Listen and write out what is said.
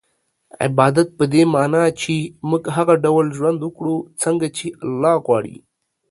عبادت په دې مانا چي موږ هغه ډول ژوند وکړو څنګه چي الله غواړي